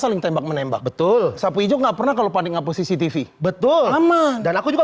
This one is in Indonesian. saling tembak menembak betul sapu ijuk gak pernah kalau panik ngapain cctv betul aman dan aku juga